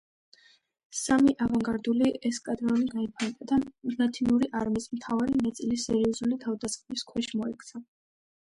სამი ავანგარდული ესკადრონი გაიფანტა და ლათინური არმიის მთავარი ნაწილი სერიოზული თავდასხმის ქვეშ მოექცა.